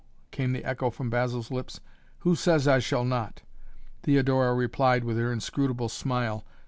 came the echo from Basil's lips. "Who says I shall not?" Theodora replied with her inscrutable smile.